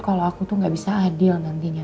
kalau aku tuh gak bisa adil nantinya